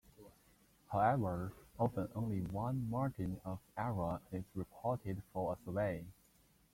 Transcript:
However, often only one margin of error is reported for a survey.